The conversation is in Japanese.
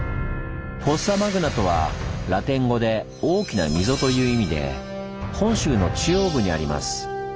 「フォッサマグナ」とはラテン語で大きな溝という意味で本州の中央部にあります。